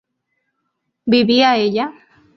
¿vivía ella?